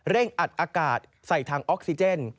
อัดอากาศใส่ทางออกซิเจน